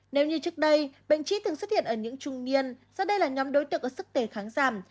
nếu như trước đây bệnh trí từng xuất hiện ở những trung niên do đây là nhóm đối tượng ở sức tề kháng giảm